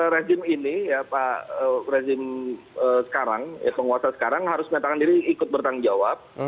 rezim ini ya pak rezim sekarang ya penguasa sekarang harus menyatakan diri ikut bertanggung jawab